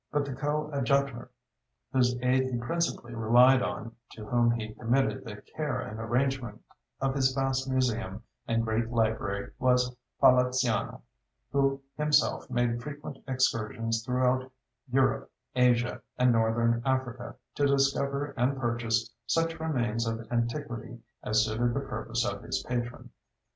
But the coadjutor whose aid he principally relied on, to whom he committed the care and arrangement of his vast museum and great library, was Poliziano, who himself made frequent excursions throughout Europe, Asia, and Northern Africa to discover and purchase such remains of antiquity as suited the purposes of his patron.